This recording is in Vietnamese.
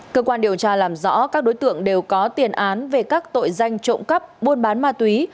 cơ quan điều tra làm rõ các đối tượng đều có tiền án về các tội danh trộm cắp buôn bán ma túy